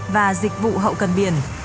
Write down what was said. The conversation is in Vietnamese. và dịch vụ hậu cần biển